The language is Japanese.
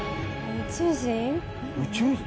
宇宙人？